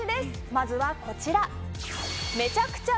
まずはこちら。